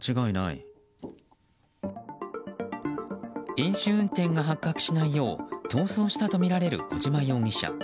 飲酒運転が発覚しないよう逃走したとみられる小島容疑者。